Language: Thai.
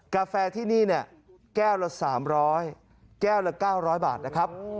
กาแฟที่นี่เนี่ยแก้วละ๓๐๐แก้วละ๙๐๐บาทนะครับ